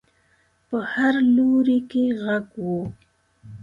په هر لوري کې غږ و.